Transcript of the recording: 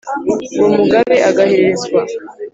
uwo mugabe agaherezwa,